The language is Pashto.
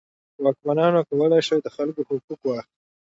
واکمنان کولی شول د خلکو حقوق واخلي.